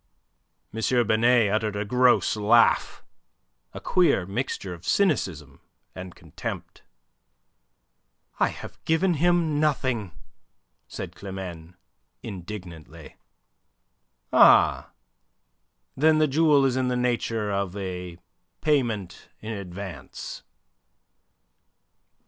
M. Binet uttered a gross laugh, a queer mixture of cynicism and contempt. "I have given nothing," said Climene, indignantly. "Ah! Then the jewel is in the nature of a payment in advance."